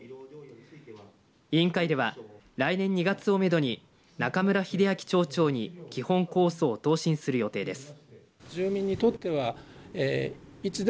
委員会では来年２月をめどに中村英明町長に基本構想を答申する予定です。